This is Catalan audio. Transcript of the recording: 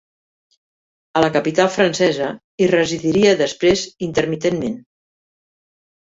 A la capital francesa hi residiria després intermitentment.